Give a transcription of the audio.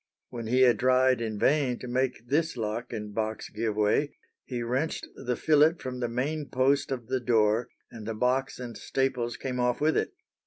When he had tried in vain to make this lock and box give way, he wrenched the fillet from the main post of the door and the box and staples came off with it.